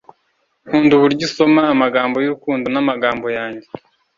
nkunda uburyo usoma amagambo yurukundo namagambo yanjye